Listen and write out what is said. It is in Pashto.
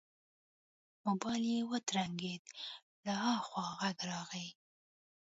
موبايل يې وترنګېد له ها خوا غږ راغی.